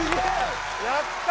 やった！